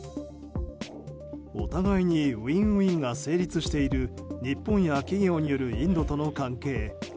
お互いにウィンウィンが成立している日本や企業によるインドとの関係。